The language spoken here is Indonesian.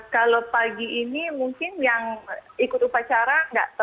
kalau pagi ini mungkin yang ikut upacara